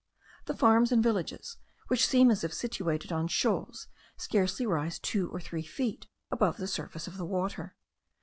The farms and villages which seem as if situated on shoals, scarcely rise two or three feet above the surface of the water.